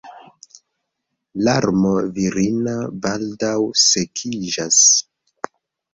Larmo virina baldaŭ sekiĝas.